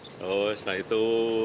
lalu setelah itu